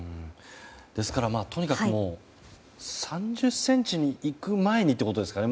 ですから、とにかく３０ｃｍに行く前にということですかね。